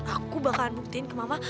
aku bakalan buktiin ke mama